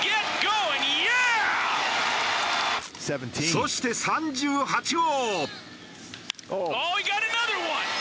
そして３８号。